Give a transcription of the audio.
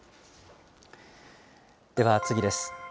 では次です。